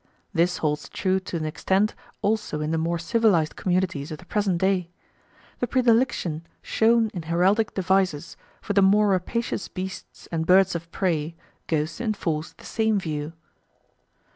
This holds true to an extent also in the more civilised communities of the present day. The predilection shown in heraldic devices for the more rapacious beasts and birds of prey goes to enforce the same view.